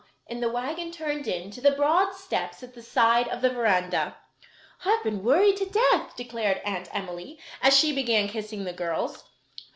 and the wagon turned in to the broad steps at the side of the veranda. "I've been worried to death," declared Aunt Emily, as she began kissing the girls.